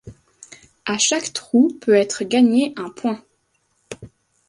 À chaque trou peut être gagné un point.